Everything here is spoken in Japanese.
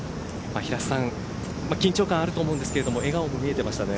緊張感があると思うんですけど笑顔も見えてましたね。